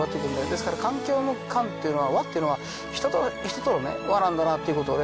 ですから環境の「環」って「わ」っていうのは人と人とのね輪なんだなっていうことをね